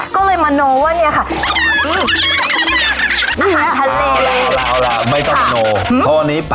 ก็เลยมโนว่าเนี่ยค่ะ